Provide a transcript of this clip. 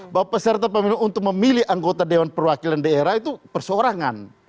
bahwa peserta pemilu untuk memilih anggota dewan perwakilan daerah itu perseorangan